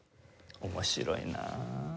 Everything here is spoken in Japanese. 面白いなあ。